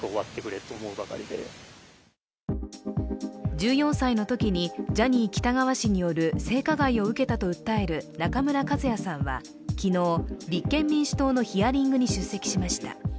１４歳のときにジャニー喜多川氏による性加害を受けたと訴える中村一也さんは昨日、昨日、立憲民主党のヒアリングに出席しました。